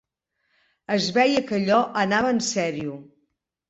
Es veia que allò anava en serio.